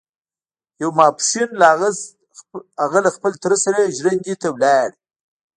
يو ماسپښين هغه له خپل تره سره ژرندې ته لاړ.